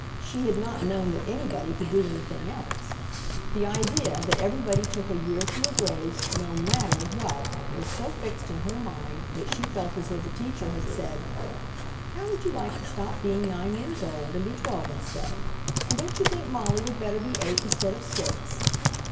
She had not known that anybody could do anything else. The idea that everybody took a year to a grade, no MATTER what! was so fixed in her mind that she felt as though the teacher had said: "How would you like to stop being nine years old and be twelve instead! And don't you think Molly would better be eight instead of six?"